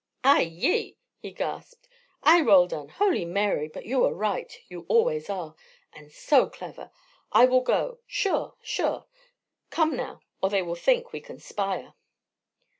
"Ay! yi!" he gasped. "Ay, Roldan! Holy Mary! But you are right. You always are. And so clever! I will go. Sure, sure. Come now, or they will think we conspire."